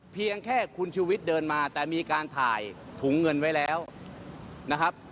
เพียงแค่คุณชูวิทย์เดินมาแต่มีการถ่ายถุงเงินไว้แล้วนะครับ